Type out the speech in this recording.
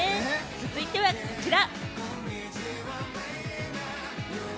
続いてはこちら！